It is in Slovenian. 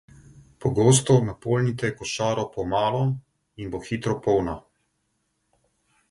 Pogosto napolnite košaro po malo in bo hitro polna.